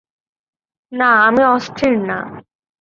না আমি অস্থির না।